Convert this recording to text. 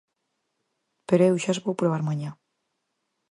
Pero eu xa as vou probar mañá.